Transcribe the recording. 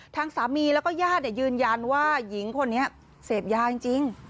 ทางสามีแล้วก็ญาติยืนยันว่าหญิงคนนี้เสพยาจริง